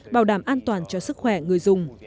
bảo đảm an toàn cho sức khỏe người dùng